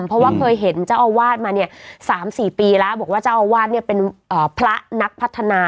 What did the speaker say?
เพราะว่าเคยเห็นเจ้าอาวาสมาเนี่ย๓๔ปีแล้วบอกว่าเจ้าอาวาสเนี่ยเป็นพระนักพัฒนา